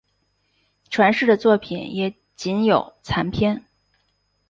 传世的作品也仅有残篇。